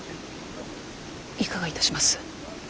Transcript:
いかがいたします。